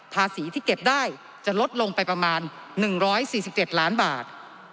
ภาษีที่เก็บได้จะลดลงไปประมาณ๑๔๗ล้านบาท